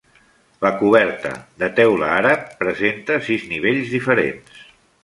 La coberta, de teula àrab, presenta sis nivells diferents.